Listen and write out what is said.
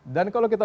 dan kalau kita